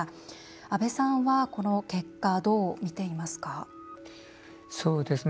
阿部さんはこの結果、どう見ていますか？